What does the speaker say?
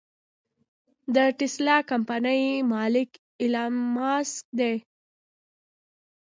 د ټسلا کمپنۍ مالک ايلام مسک دې.